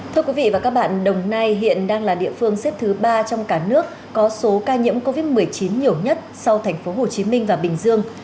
thưa quý vị và các bạn đồng nai hiện đang là địa phương xếp thứ ba trong cả nước có số ca nhiễm covid một mươi chín nhiều nhất sau tp hcm và bình dương